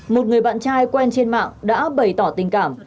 một người bạn trai quen trên mạng đã bày tỏ tình cảm